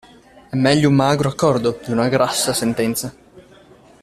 È meglio un magro accordo di una grassa sentenza.